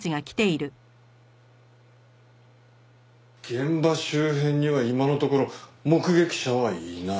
現場周辺には今のところ目撃者はいない。